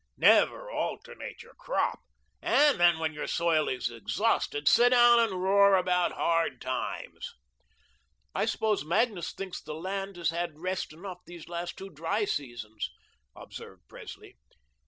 Never alternate your crop, and then when your soil is exhausted, sit down and roar about hard times." "I suppose Magnus thinks the land has had rest enough these last two dry seasons," observed Presley.